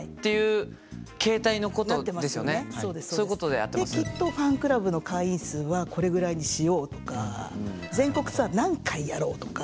できっとファンクラブの会員数はこれぐらいにしようとか全国ツアー何回やろうとか。